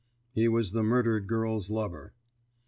"He was the murdered girl's lover."